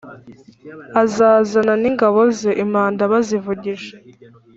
azazana n'ingabo ze, impanda bazivugije,